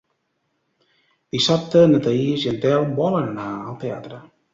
Dissabte na Thaís i en Telm volen anar al teatre.